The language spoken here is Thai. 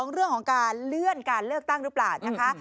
เรื่องของการเลื่อนการเลือกตั้งหรือเปล่านะคะ